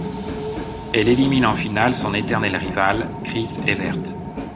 Elle élimine en finale son éternelle rivale Chris Evert.